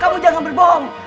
kamu jangan berbohong